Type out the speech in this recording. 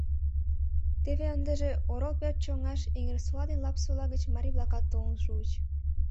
Теве ындыже орол пӧрт чоҥгаш Эҥерсола ден Лапсола гыч марий-влакат толын шуыч.